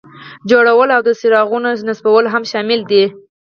جوړول او د څراغونو نصبول هم شامل دي.